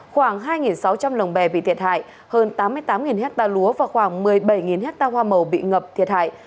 khoảng hai sáu trăm linh lồng bè bị thiệt hại hơn tám mươi tám hectare lúa và khoảng một mươi bảy hectare hoa màu bị ngập thiệt hại